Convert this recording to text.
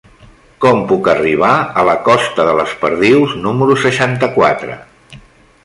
Com puc arribar a la costa de les Perdius número seixanta-quatre?